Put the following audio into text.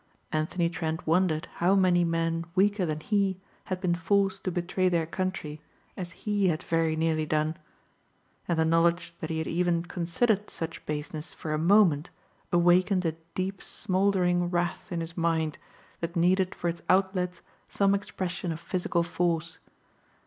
Anthony Trent wondered how many men weaker than he had been forced to betray their country as he had very nearly done. And the knowledge that he had even considered such baseness for a moment awakened a deep smouldering wrath in his mind that needed for its outlet some expression of physical force.